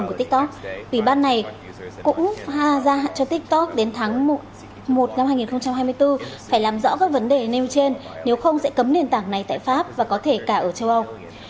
của tiktok ủy ban này ra cho tiktok đến tháng một năm hai nghìn hai mươi bốn phải làm rõ các vấn đề nêu trên nếu không sẽ cấm nền tảng này tại pháp và có thể cả ở châu âu